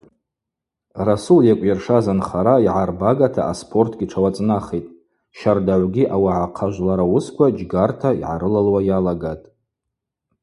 Расул йакӏвйыршаз анхара йагӏарбагата аспортгьи тшауацӏнахитӏ, щардагӏвгьи ауагӏахъа жвлара уысква джьгарта йгӏарылалуа йалагатӏ.